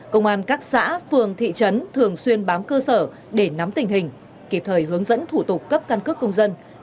công an các xã phường thị trấn thường xuyên bám cơ sở để nắm tình hình kịp thời hướng dẫn thủ tục cấp căn cước công dân